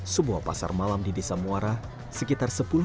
sebuah pasar malam di desa muara sekitar sepuluh km dari warung baca